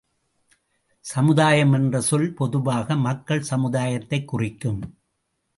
சமுதாயம் என்ற சொல் பொதுவாக மக்கள் சமுதாயத்தைக் குறிக்கும்.